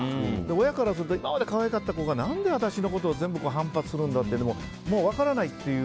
親からすると今まで可愛かった子が私のこと全部反発するんだろうって分からないという。